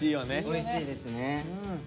おいしいですね。